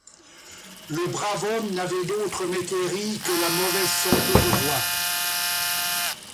Le brave homme n'avait d'autre métairie que la mauvaise santé du roi.